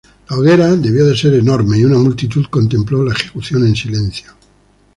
La hoguera debió de ser enorme, y una multitud contempló la ejecución en silencio.